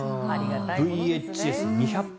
ＶＨＳ２００本。